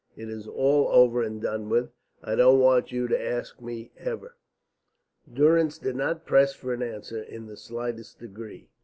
It is all over and done with. I don't want you to ask me ever." Durrance did not press for an answer in the slightest degree.